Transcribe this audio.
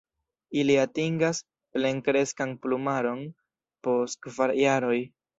Ili atingas plenkreskan plumaron post kvar jaroj.